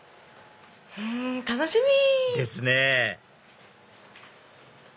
楽しみ！ですね